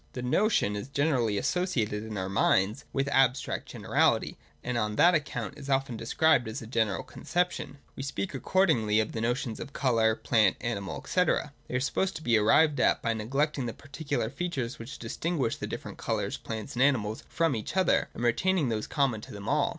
(i) The notion is generally associated in our minds with abstract generality, and on that account it is often described as a general conception. We speak, accordingly, of the notions of colour, plant, animal, &c. They are supposed to be arrived at by neglecting the particular features which distinguish the different colours, plants, and animals from each other, and by retaining those common to them all.